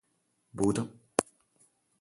ഭൂതം